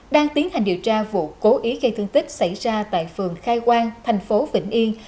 đang tiến hành điều tra vụ cố ý gây thương tích xảy ra tại phường khai quang thành phố vĩnh yên